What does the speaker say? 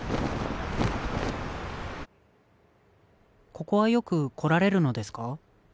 ここはよく来られるのですか？